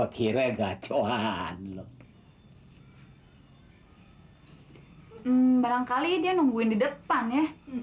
barangkali dia nungguin di depan ya